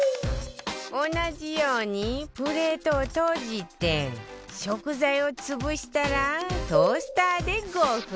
同じようにプレートを閉じて食材を潰したらトースターで５分